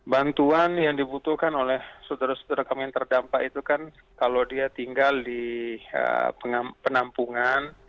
bantuan yang dibutuhkan oleh saudara saudara kami yang terdampak itu kan kalau dia tinggal di penampungan